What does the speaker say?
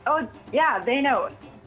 oh ya mereka tahu